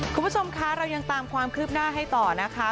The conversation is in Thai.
คุณผู้ชมคะเรายังตามความคืบหน้าให้ต่อนะคะ